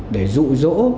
để rụ rỗ